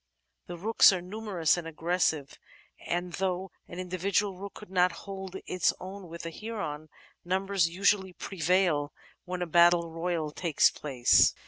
The Rooks are numerous and aggressive, and though an indi vidual Rook could not hold its own with a Heron, numbers usually prevail when a battle royal takes place.